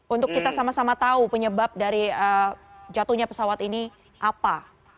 untuk kita sama sama tahu penyebab dari jatuhnya pesawat ini apa